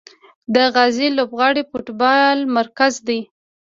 د غازي لوبغالی د فوټبال مرکز دی.